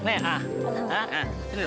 siapa sih yang teriak teriak lagi tidur